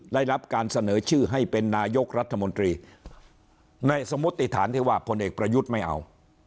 ได้รับการเสนอชื่อให้เป็นนายกรัฐมนตรีในสมมุติฐานที่ว่าพลเอกประยุทธ์ไม่เอา